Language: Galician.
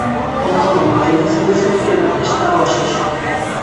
O Corme, que venceu en Cerqueda, está ó axexo.